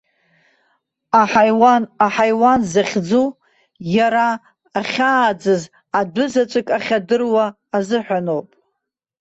Аҳаиуан аҳаиуан захьӡу, иара ахьааӡаз адәы заҵәык ахьадыруа азыҳәаноуп.